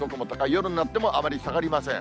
夜になってもあまり下がりません。